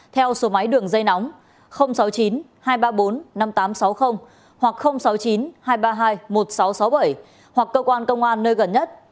theo số máy đường dây nóng sáu mươi chín hai trăm ba mươi bốn năm nghìn tám trăm sáu mươi hoặc sáu mươi chín hai trăm ba mươi hai một nghìn sáu trăm sáu mươi bảy hoặc cơ quan công an nơi gần nhất